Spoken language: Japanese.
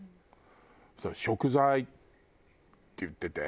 そしたら「贖罪」って言ってて。